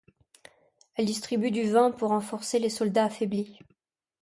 Elle distribue du vin pour renforcer les soldats affaiblis.